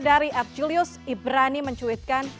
dari at julius ibrani mencuitkan